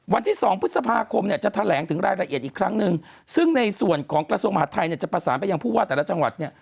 วันที่๒พฤษภาคมเนี่ยจะแถลงถึงรายละเอียดอีกครั้งหนึ่งซึ่งในส่วนของกระทรวงมหาดไทยเนี่ยจะประสานไปยังผู้ว่าแต่ละจังหวัดเนี่ย